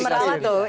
itu meralat tuh